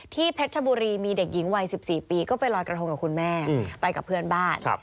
เพชรชบุรีมีเด็กหญิงวัย๑๔ปีก็ไปลอยกระทงกับคุณแม่ไปกับเพื่อนบ้าน